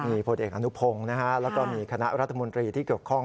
มีผลเอกอนุพงศ์แล้วก็มีคณะรัฐมนตรีที่เกี่ยวข้อง